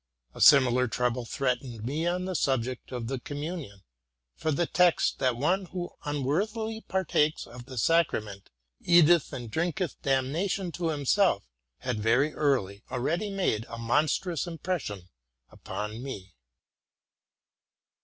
<A similar trouble threatened me on the subject of the communion ; for the text, that one who unworthily partakes of the sacrament eateth and drinketh damnation to himself, had, very early, already made a monstrous impression upon me.